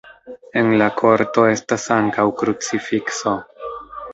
En la korto estas ankaŭ krucifikso.